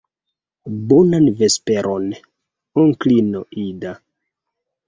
Bonan vesperon, onklino Ida.